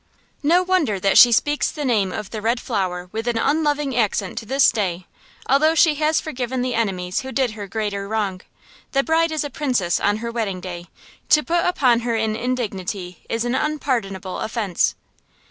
No wonder that she speaks the name of the Red Flower with an unloving accent to this day, although she has forgiven the enemies who did her greater wrong. The bride is a princess on her wedding day. To put upon her an indignity is an unpardonable offense.